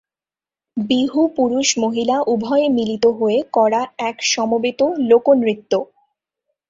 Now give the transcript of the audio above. বিহু পুরুষ-মহিলা উভয়ে মিলিত হয়ে করা এক সমবেত লোকনৃত্য।